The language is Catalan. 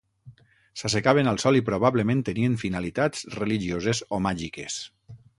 S'assecaven al sol i probablement tenien finalitats religioses o màgiques.